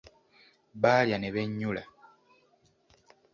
Baalya ne bennyula.